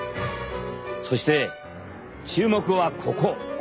そして注目はここ！